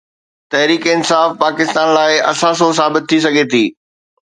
تحريڪ انصاف پاڪستان لاءِ اثاثو ثابت ٿي سگهي ٿي.